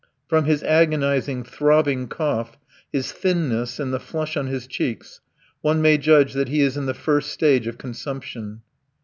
From his agonizing, throbbing cough, his thinness, and the flush on his cheeks, one may judge that he is in the first stage of consumption.